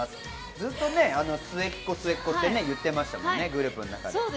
ずっと末っ子、末っ子って言ってましたもんね、グループの中で。